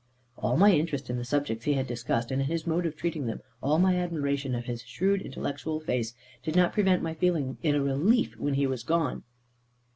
All my interest in the subjects he had discussed, and in his mode of treating them, all my admiration of his shrewd intellectual face, did not prevent my feeling it a relief when he was gone.